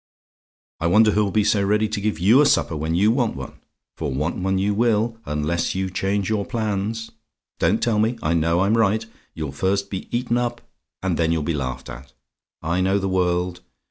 "I wonder who'll be so ready to give you a supper when you want one: for want one you will, unless you change your plans. Don't tell me! I know I'm right. You'll first be eaten up, and then you'll be laughed at. I know the world.